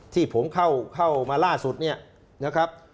ที่ผมเข้ามาล่าสุดเนี่ยนะครับ